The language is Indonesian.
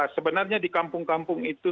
sebenarnya di kampung kampung itu